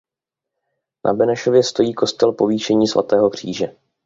Na Benešově stojí kostel Povýšení svatého Kříže.